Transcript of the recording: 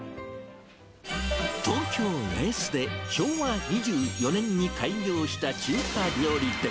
東京・八重洲で昭和２４年に開業した中華料理店。